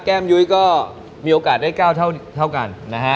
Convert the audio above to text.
แก้มยุ้ยก็มีโอกาสได้๙เท่ากันนะฮะ